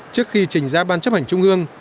trước khi trình ra bàn chấp hành trung ương